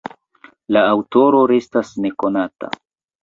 La aŭtoro restas nekonata.